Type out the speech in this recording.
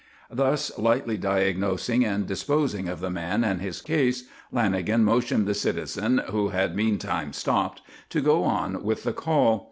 Thus lightly diagnosing and disposing of the man and his case, Lanagan motioned the citizen, who had meantime stopped, to go on with the call.